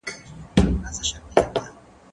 زه کولای سم ليک ولولم!؟